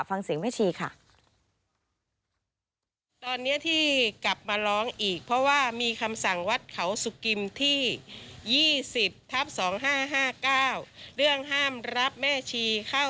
ฟังเสียงแม่ชีค่ะ